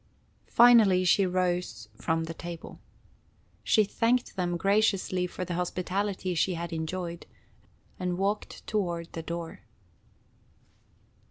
Finally she rose from the table. She thanked them graciously for the hospitality she had enjoyed, and walked toward the door.